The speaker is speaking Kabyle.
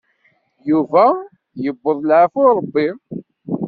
Yuba yewweḍ leɛfu n Ṛebbi.